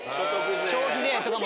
消費税とかも。